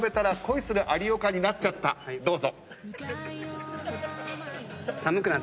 どうぞ。